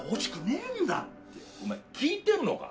お前聞いてんのか？